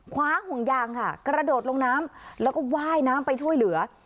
คว้าห่วงยางค่ะกระโดดลงน้ำแล้วก็ว่ายน้ำไปช่วยเหลือ